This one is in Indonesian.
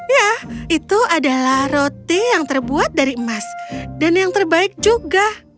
ya itu adalah roti yang terbuat dari emas dan yang terbaik juga